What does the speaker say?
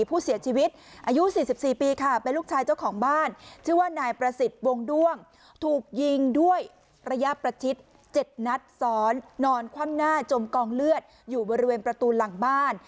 ผู้เสียชีวิตอายุ๔๔ปีค่ะเป็นลูกชายเจ้าของบ้านชื่อว่านายประสิทธิ์วงด้วงถูกยิงด้วยระยะประชิด๗นัดซ้อนนอนคว่ำหน้าจมกองเลือดอยู่บริเวณประตูหลังบ้าน